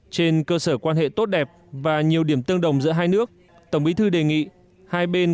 trên cơ sở quan hệ tốt đẹp và nhiều điểm tương đồng giữa hai nước tổng bí thư đề nghị hai bên